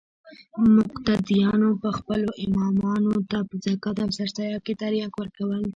مقتديانو به خپلو امامانو ته په زکات او سرسايه کښې ترياک ورکول.